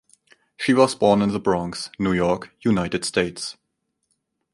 She was born in the Bronx, New York, United States.